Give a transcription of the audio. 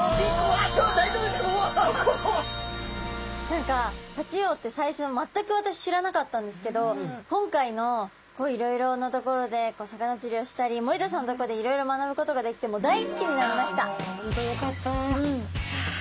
何かタチウオって最初全く私知らなかったんですけど今回のいろいろなところで魚釣りをしたり森田さんのところでいろいろ学ぶことができてああ